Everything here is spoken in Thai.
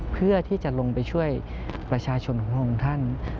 เพื่อที่จะลงไปช่วยประชาชนของพระองค์ท่าน